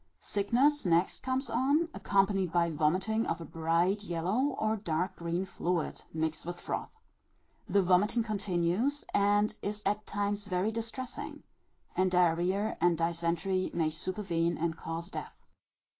Sickness next comes on, accompanied by vomiting of a bright yellow, or dark green fluid, mixed with froth. The vomiting continues, and is at times very distressing; and diarrhœa and dysentery may supervene and cause death.